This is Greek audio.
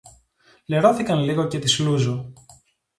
Λερώθηκαν λίγο και τις λούζω